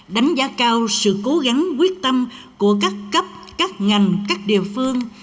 đánh giá cao sự cố gắng quyết tâm của các cấp các ngành các địa phương